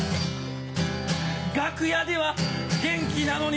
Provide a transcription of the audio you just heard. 楽屋では元気なのに